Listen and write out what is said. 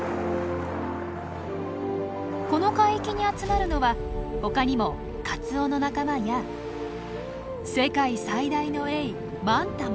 この海域に集まるのはほかにもカツオの仲間や世界最大のエイマンタも。